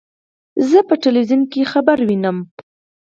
زه په ټلویزیون کې خبر وینم.